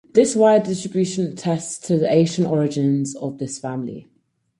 This wide distribution attests to the ancient origin of this family.